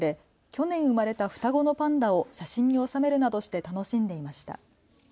去年生まれた双子のパンダを写真に収めるなどして楽しんでいました。